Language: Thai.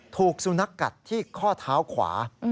ถูกสุนัขกัดที่ข้อเท้าขวา